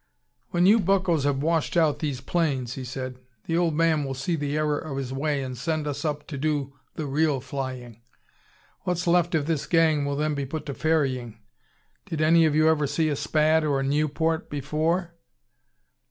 "When you buckoes have washed out these planes," he said, "the Old Man will see the error of his way and send us up to do the real flying. What's left of this gang will then be put to ferrying. Did any of you ever see a Spad or Nieuport before?"